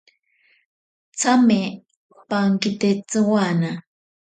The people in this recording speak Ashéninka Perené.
Tsame apankite tsiwana.